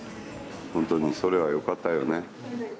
ホントにそれはよかったよね